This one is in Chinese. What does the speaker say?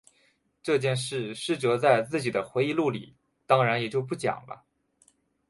这件事师哲在自己的回忆录里当然也就不讲了。